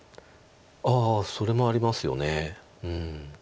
ああそれもありますよねうん。